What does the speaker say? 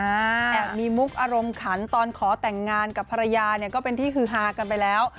แอบมีมุกอารมณ์ขันตอนขอแต่งงานกับภรรยาเนี่ยก็เป็นที่ฮือฮากันไปแล้ว